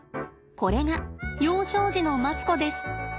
これが幼少時のマツコです。